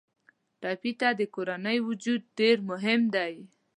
ټپي ته د کورنۍ وجود ډېر مهم دی.